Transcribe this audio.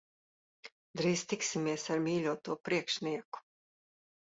Drīz tiksimies ar mīļoto priekšnieku.